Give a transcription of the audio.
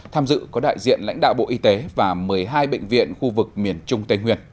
tham dự có đại diện lãnh đạo bộ y tế và một mươi hai bệnh viện khu vực miền trung tây nguyệt